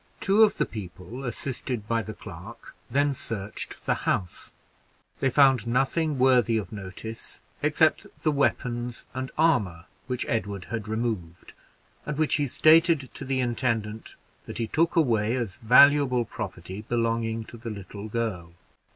Two of the people, assisted by the clerk, then searched the house; they found nothing worthy of notice, except the weapons and armor which Edward had removed, and which he stated to the intendant that he took away as valuable property belonging to the little girl.